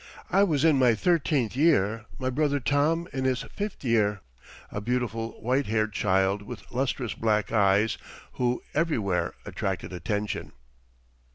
I was in my thirteenth year, my brother Tom in his fifth year a beautiful white haired child with lustrous black eyes, who everywhere attracted attention.